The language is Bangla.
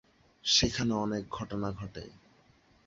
সেখানে অনেক ঘটনা ঘটে।